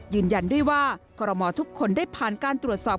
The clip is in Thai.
ยืนยันด้วยว่าคอรมอทุกคนได้ผ่านการตรวจสอบ